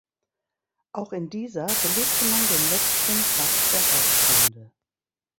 Auch in dieser belegte man den letzten Platz der Hauptrunde.